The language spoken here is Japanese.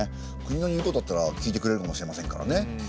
国の言うことだったら聞いてくれるかもしれませんからね。